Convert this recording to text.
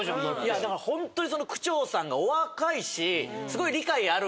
いやだからほんとに区長さんがお若いし。